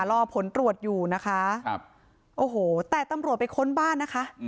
รอผลตรวจอยู่นะคะครับโอ้โหแต่ตำรวจไปค้นบ้านนะคะ